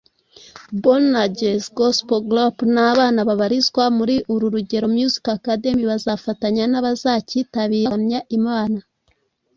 Boanerges Gospel Group n’abana babarizwa muri Urugero Music Academy bazafatanya n’abazacyitabira kuramya Imana